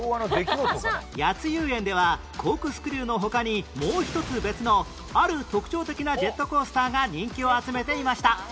谷津遊園ではコークスクリューの他にもう一つ別のある特徴的なジェットコースターが人気を集めていました